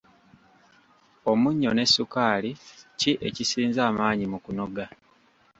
Omunnyo ne ssukaali ki ekisinza amaanyi mu kunoga?